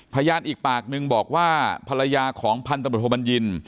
พญานอีกปากหนึ่งบอกว่าภรรยาของพันธบทมันยินฯ